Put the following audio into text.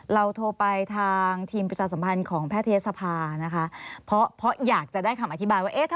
เราโทรไปทางทีมปรีศาสตร์สัมภัณฑ์ของเพศเทศภาเนี่ยอยากจะได้คำอธิบายว่า